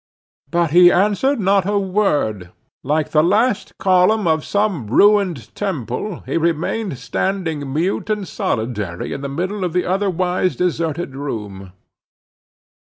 But he answered not a word; like the last column of some ruined temple, he remained standing mute and solitary in the middle of the otherwise deserted room.